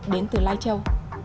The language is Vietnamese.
đến từ lai châu